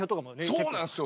そうなんすよ。